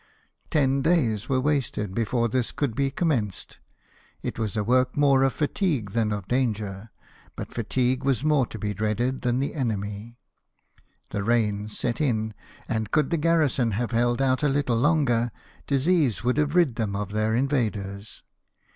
Ten days were wasted before this could be commenced: it was a work more of fatigue than of danger ; but fatigue was more to be dreaded than the enemy. The rains set in; and could the garrison have held out a little longer, disease would have rid them of their invaders.